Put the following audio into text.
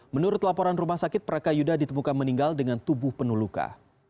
menurut laporan rumah sakit prakayuda ditemukan meninggal dengan tubuh penuh luka